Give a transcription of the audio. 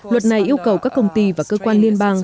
luật này yêu cầu các công ty và cơ quan liên bang